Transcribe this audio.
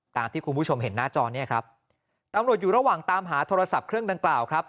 ตามที่คุณผู้ชมเห็นหน้าจอเนี่ยครับตำรวจอยู่ระหว่างตามหาโทรศัพท์เครื่องดังกล่าวครับ